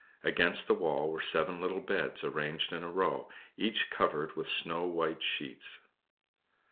Against the wall were seven little beds arranged in a row, each covered with snow white sheets.